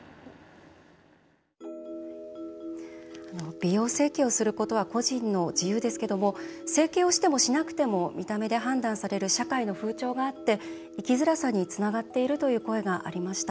美容整形をすることは個人の自由ですけども整形をしてもしなくても見た目で判断される社会の風潮があって生きづらさにつながっているという声がありました。